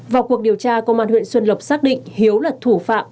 vào cuộc điều tra công an huyện xuân lộc xác định hiếu là thủ phạm